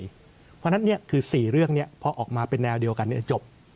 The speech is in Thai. เพราะฉะนั้นเนี่ยคือ๔เรื่องเนี่ยพอออกมาเป็นแนวเดียวกันเนี่ยจบ